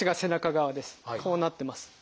こうなってます。